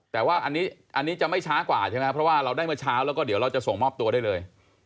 แต่ว่าอันนี้จะไม่ช้ากว่าใช่ไหมเพราะว่าเราได้เมื่อเช้าแล้วก็เดี๋ยวเราจะส่งมอบตัวได้เลย